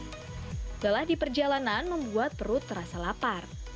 setelah di perjalanan membuat perut terasa lapar